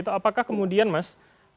apakah kemudian mas